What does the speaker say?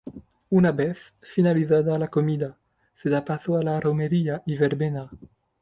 Una vez finalizada la comida, se da paso a la romería y verbena.